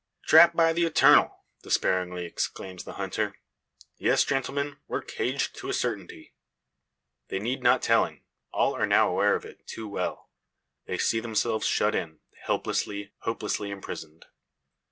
"Trapped, by the Eternal!" despairingly exclaims the hunter. "Yes, gentlemen, we're caged to a certainty." They need not telling. All are now aware of it too well. They see themselves shut in helplessly, hopelessly imprisoned.